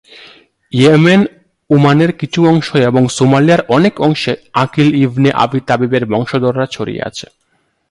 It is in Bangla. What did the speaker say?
ইয়েমেন, ওমানের কিছু অংশ এবং সোমালিয়ার অনেক অংশে আকিল ইবনে আবি তালিবের বংশধররা ছড়িয়ে আছে।